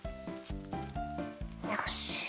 よし。